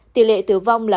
tỷ lệ tử vong là một mươi bảy